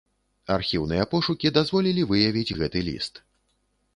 Архіўныя пошукі дазволілі выявіць гэты ліст.